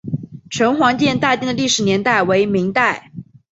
城隍庙大殿的历史年代为明代。